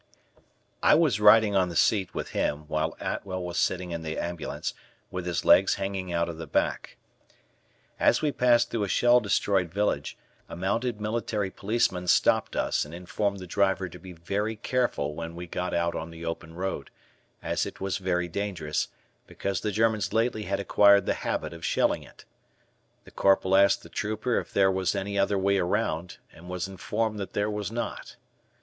I was riding on the seat with him while Atwell was sitting in the ambulance, with his legs hanging out of the back. As we passed through a shell destroyed village a mounted military policeman stopped us and informed the driver to be very careful when we got out on the open road, as it was very dangerous, because the Germans lately had acquired the habit of shelling it. The Corporal asked the trooper if there was any other way around, and was informed that there was not.